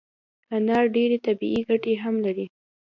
انار ډیري طبي ګټي هم لري